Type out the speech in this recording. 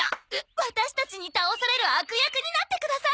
ワタシたちに倒される悪役になってください！